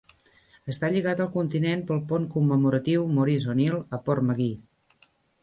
Està lligat al continent pel Pont Commemoratiu Maurice O'Neill a Portmagee.